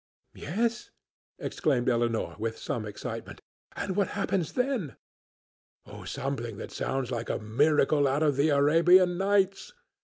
'" "Yes," exclaimed Elinor, with some excitement, "and what happens then?" "Something that sounds like a miracle out of the Arabian Nights.